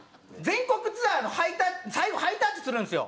全国ツアーの最後ハイタッチするんですよ。